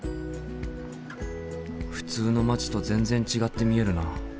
普通の街と全然違って見えるな。